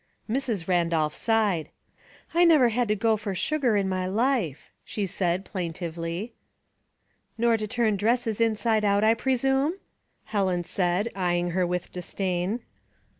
Mrs. Randolph sighed. '* 1 never had to go for sugar in my life," she said, plaintively. *' Nor to turn dresses inside out, I presume ?" Helen said, eyeing her work with disdain.